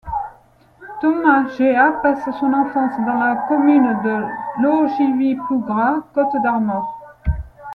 Thomas Geha passe son enfance dans la commune de Loguivy-Plougras, Côtes d'Armor.